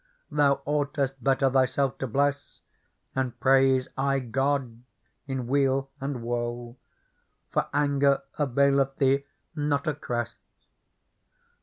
Thou oughtest better thyself to bless. And praise aye God in weal and woe ; For anger availeth thee not a cress.